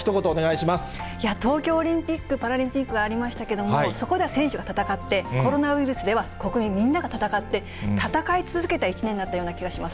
東京オリンピック・パラリンピックがありましたけども、そこでは選手が戦って、コロナウイルスでは国民みんなが闘って、闘い続けた一年だったような気がします。